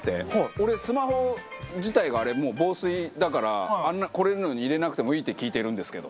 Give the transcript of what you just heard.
俺スマホ自体が防水だからこういうのに入れなくてもいいって聞いてるんですけど。